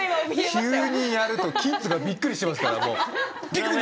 急にやるとキッズがびっくりします